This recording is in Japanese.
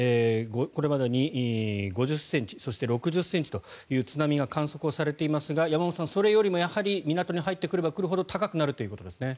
これまでに５０ｃｍそして６０ｃｍという津波が観測されていますが山本さん、それよりも港に入ってくれば来るほど高くなるということですね。